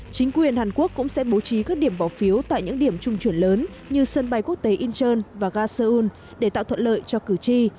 chính quyền hàn quốc cũng sẽ bố trí các điểm bỏ phiếu tại những điểm trung chuyển lớn như sân bay quốc tế incheon và ga seoul để tạo thuận lợi cho cử tri